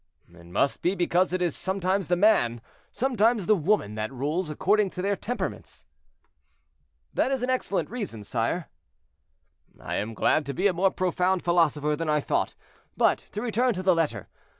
"It must be because it is sometimes the man, sometimes the woman that rules, according to their temperaments." "That is an excellent reason, sire." "I am glad to be a more profound philosopher than I thought—but to return to the letter.